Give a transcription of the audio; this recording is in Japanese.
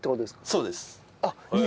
そうです。